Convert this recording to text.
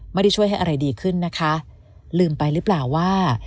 ไม่ได้ช่วยให้อะไรดีขึ้นนะคะลืมไปหรือเปล่าว่า